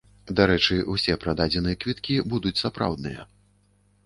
Дарэчы, усе прададзеныя квіткі будуць сапраўдныя.